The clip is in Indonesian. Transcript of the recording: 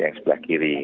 jalan ke sebelah kiri